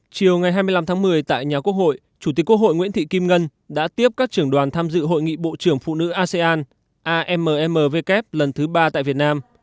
chiều ngày hai mươi năm tháng một mươi tại nhà quốc hội chủ tịch quốc hội nguyễn thị kim ngân đã tiếp các trưởng đoàn tham dự hội nghị bộ trưởng phụ nữ asean ammw lần thứ ba tại việt nam